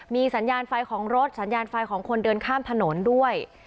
มีสัญญาณไฟของรถสัญญาณไฟของคนเดินข้ามถนนด้วย